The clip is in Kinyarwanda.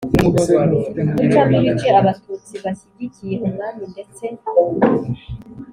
Gucamo ibice abatutsi bashyigikiye umwami ndetse